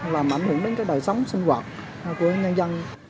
làm ảnh hưởng đến đời sống sinh hoạt của nhân dân